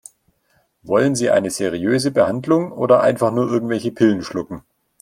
Wollen Sie eine seriöse Behandlung oder einfach nur irgendwelche Pillen schlucken?